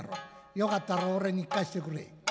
よかったら俺に聞かせてくれ」。